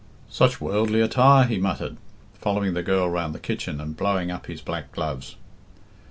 "Such worldly attire!" he muttered, following the girl round the kitchen and blowing up his black gloves.